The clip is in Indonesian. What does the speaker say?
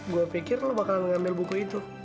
gue pikir lo bakal ngambil buku itu